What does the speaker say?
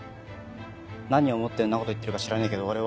何を思ってんなこと言ってるか知らねえけど俺は。